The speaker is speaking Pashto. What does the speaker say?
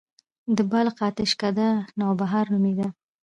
د بلخ اتشڪده نوبهار نومیده